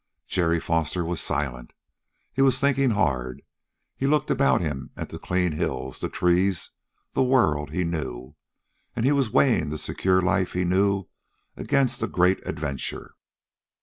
Jerry Foster was silent. He was thinking hard. He looked about him at the clean hills, the trees, the world he knew. And he was weighing the secure life he knew against a great adventure.